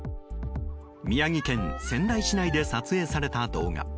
宮城県仙台市内で撮影された動画。